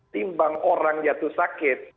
timbang orang jatuh sakit